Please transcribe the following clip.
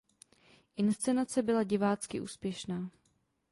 Inscenace byla divácky úspěšná.